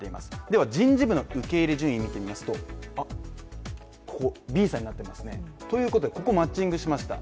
では人事部の受け入れ順位を見てみますとＢさんになってますね。ということで、ここはマッチングしました。